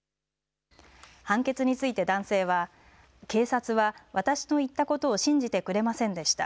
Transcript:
判決について男性は警察は私の言ったことを信じてくれませんでした。